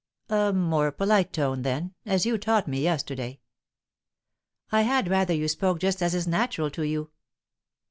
"A more polite tone, then as you taught me yesterday." "I had rather you spoke just as is natural to you."